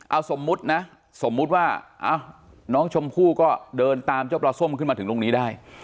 เอาสมมุตินะสมมุติว่าน้องชมพู่ก็เดินตามเจ้าปลาส้มขึ้นมาถึงตรงนี้ได้